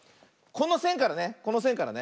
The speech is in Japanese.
このせんからねこのせんからね。